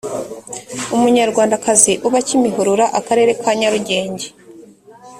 umunyarwandakazi uba kimihurura akarere ka nyarugenge